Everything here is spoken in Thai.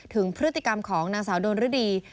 ถึงพฤติกรรมของนางสาวโดนฤดี